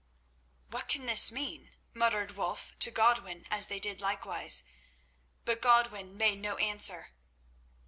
"What can this mean?" muttered Wulf to Godwin as they did likewise. But Godwin made no answer.